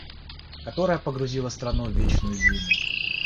которая погрузила страну в вечную зиму.